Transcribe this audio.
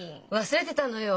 忘れてたのよ。